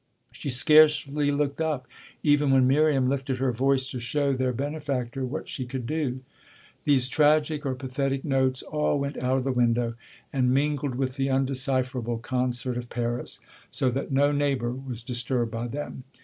She scarcely looked up even when Miriam lifted her voice to show their benefactor what she could do. These tragic or pathetic notes all went out of the window and mingled with the undecipherable concert of Paris, so that no neighbour was disturbed by them.